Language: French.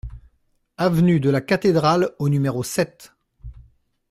Avenue de la Cathédrale au numéro sept